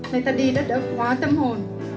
nơi ta đi đất ở quá tâm hồn